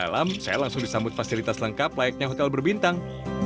layaknya hotel berbintang